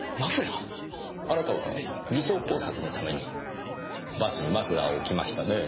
あなたは偽装工作のためにバスにマフラーを置きましたねぇ。